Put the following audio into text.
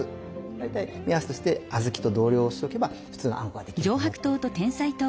大体目安として小豆と同量にしておけば普通のあんこができると思っといてくれれば。